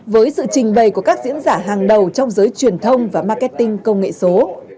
với sự trình bày của các diễn giả hàng đầu trong giới truyền thông và marketing công nghệ số